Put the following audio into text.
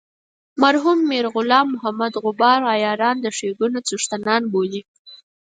مرحوم میر غلام محمد غبار عیاران د ښیګڼو څښتنان بولي.